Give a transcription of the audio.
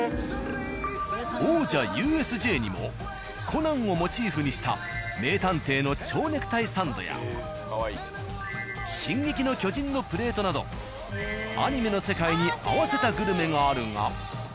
「コナン」をモチーフにした名探偵の蝶ネクタイサンドや「進撃の巨人」のプレートなどアニメの世界に合わせたグルメがあるが。